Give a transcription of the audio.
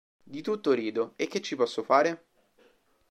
Di tutto rido, e che ci posso fare?